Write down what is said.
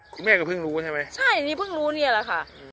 คุณแม่ก็เพิ่งรู้ใช่ไหมใช่อันนี้เพิ่งรู้เนี่ยแหละค่ะ